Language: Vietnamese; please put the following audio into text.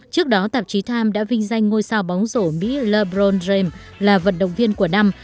trước đó tạp chí times đã vinh danh ngôi sao bóng rổ mỹ labron rem là vận động viên của năm